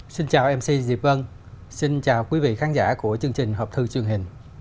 xin chào mc diệp vân xin chào quý vị khán giả của chương trình hợp thư truyền hình